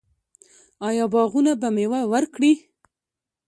آیا باغونه به میوه ورکړي؟